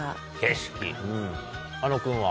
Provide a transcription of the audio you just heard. あの君は？